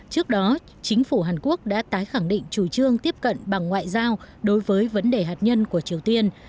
trước đó chính phủ hàn quốc đã tái khẳng định chủ trương tiếp cận bằng ngoại giao đối với vấn đề hạt nhân của triều tiên